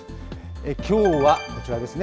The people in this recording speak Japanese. きょうはこちらですね。